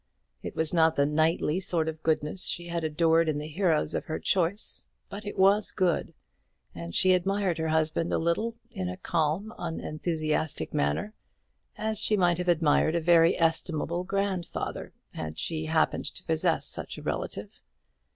It was not the knightly sort of goodness she had adored in the heroes of her choice; but it was good; and she admired her husband a little, in a calm unenthusiastic manner, as she might have admired a very estimable grandfather, had she happened to possess such a relative.